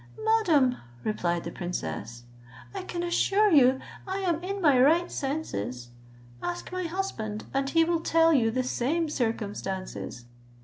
"Madam," replied the princess, "I can assure you I am in my right senses; ask my husband, and he will tell you the same circumstances."